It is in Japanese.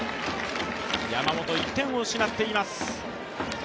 山本、１点を失っています。